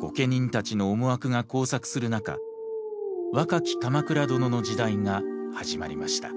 御家人たちの思惑が交錯する中若き鎌倉殿の時代が始まりました。